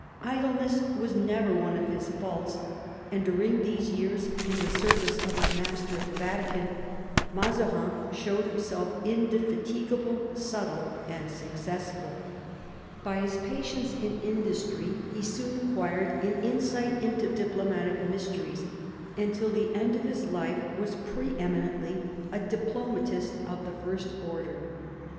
Idleness was never one of his faults, and during these years in the service of his master at the Vatican Mazarin showed himself indefatigable, subtle, and successful. By his patience and industry he soon acquired an insight into diplomatic mysteries, and till the end of his life was pre eminently a diplomatist of the first order.